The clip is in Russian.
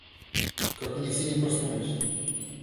Как они все не проснулись!